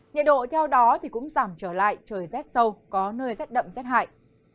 nhiệt độ theo đó cũng giảm trở lại trời rét sâu có nơi rất đậm rất hại